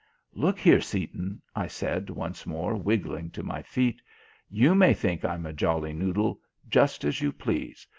"Look here, Seaton," I said once more, wriggling to my feet. "You may think I'm a jolly noodle; just as you please.